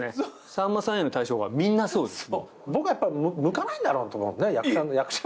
さんまさんへの対処法はみんなそうです。